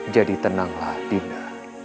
jadi tenanglah dinda